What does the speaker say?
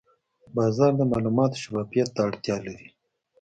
بازار د معلوماتو شفافیت ته اړتیا لري.